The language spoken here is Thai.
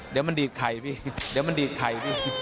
เดี๋ยวมันดีดไข่พี่